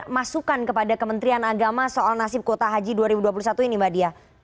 masukan kepada kementerian agama soal nasib kuota haji dua ribu dua puluh satu ini mbak dia